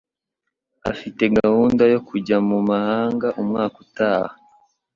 Afite gahunda yo kujya mu mahanga umwaka utaha.